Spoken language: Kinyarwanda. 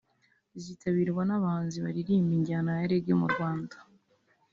rizitabirwa n’abahanzi baririmba injyana ya Reggae mu Rwanda